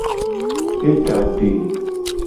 E da ade.